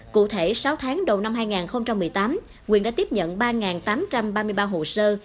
cụ thể sáu tháng đầu năm hai nghìn một mươi tám quyền đã tiếp nhận ba tám trăm ba mươi ba hồ sơ